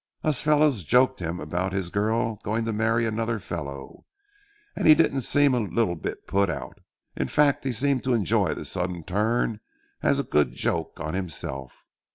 Us fellows joked him about his girl going to marry another fellow, and he didn't seem a little bit put out. In fact, he seemed to enjoy the sudden turn as a good joke on himself.